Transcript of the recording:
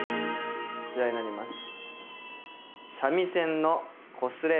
こちらになります。